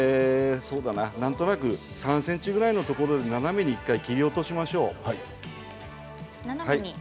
なんとなく３ｃｍぐらいのところで斜めに１回切り落としましょう。